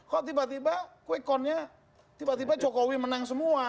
kok tiba tiba quick countnya tiba tiba jokowi menang semua